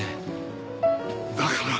だから。